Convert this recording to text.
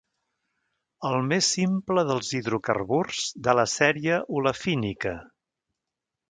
El més simple dels hidrocarburs de la sèrie olefínica.